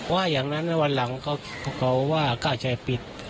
ว่าอย่างนั้นน่ะวันหลังเขาก็ว่าก็จะปิด